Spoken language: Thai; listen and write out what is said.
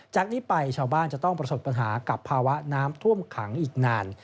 จากนี้ไปชาวบ้านจะต้องประสบปัญหากับภาวะน้ำท่วมขังอีกนาน